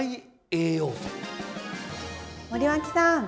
森脇さん！